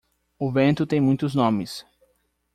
O vento tem muitos nomes.